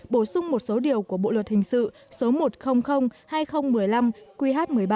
bổ sung một số điều của bộ luật hình sự số một trăm linh hai nghìn một mươi năm qh một mươi ba